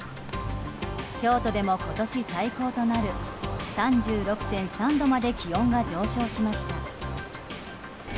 京都でも今年最高となる３６．３度まで気温が上昇しました。